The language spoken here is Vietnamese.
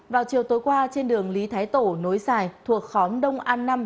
vào chiều tối qua trên đường lý thái tổ nối xài thuộc khóm đông an năm